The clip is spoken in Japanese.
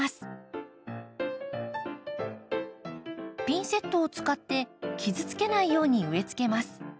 ピンセットを使って傷つけないように植えつけます。